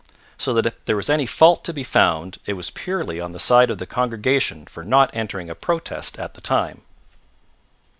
So that if there was any fault to be found it was purely on the side of the congregation for not entering a protest at the time.